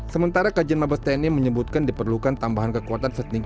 sementara kajian mabes tni menyebutkan diperlukan tambahan kekuatan setingkat